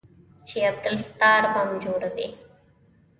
چې عبدالستار بم جوړوي.